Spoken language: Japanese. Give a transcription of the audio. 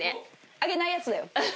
揚げないやつだよ。